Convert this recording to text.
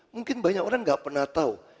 mungkin banyak orang gak pernah tahu